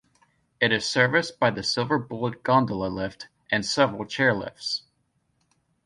It is serviced by the Silver Bullet gondola lift and several chairlifts.